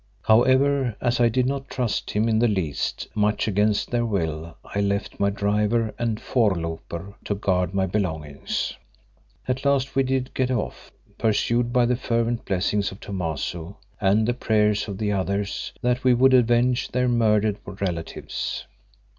However, as I did not trust him in the least, much against their will, I left my driver and voorlooper to guard my belongings. At last we did get off, pursued by the fervent blessings of Thomaso and the prayers of the others that we would avenge their murdered relatives.